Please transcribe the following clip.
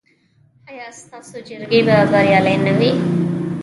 ایا ستاسو جرګې به بریالۍ نه وي؟